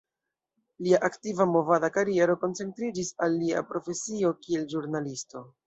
Lia aktiva movada kariero koncentriĝis al lia profesio kiel ĵurnalisto.